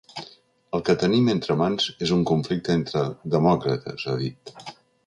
El que tenim entre mans és un conflicte entre demòcrates, ha dit.